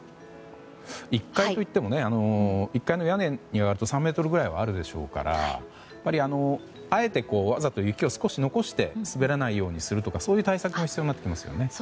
１階といっても１階の屋根は３ｍくらいあるでしょうからあえて、わざと雪を少し残して滑らないようにするとかそういう対策も必要になりますね。